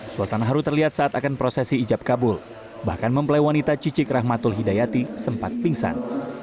suasana haru terlihat saat akan prosesi ijab kabul bahkan mempelai wanita cicik rahmatul hidayati sempat pingsan